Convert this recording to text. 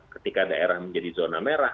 ketika daerah menjadi zona merah